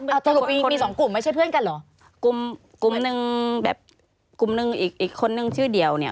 เอาสรุปมีมีสองกลุ่มไม่ใช่เพื่อนกันเหรอกลุ่มกลุ่มหนึ่งแบบกลุ่มหนึ่งอีกอีกคนนึงชื่อเดียวเนี่ย